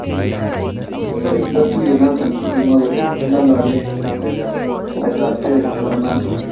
Che kiba tuiyet noto ko kimwa kole kingalalee ngalek ab tesetaetabkei nebo Nandi